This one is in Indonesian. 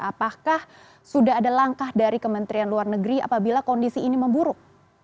apakah sudah ada langkah dari kementerian luar negeri apabila kondisi ini memburuk